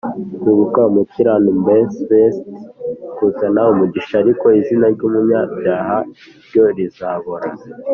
kwibuka umukiranumberstsi kuzana umugisha, ariko izina ry’umunyabyaha ryo rizabora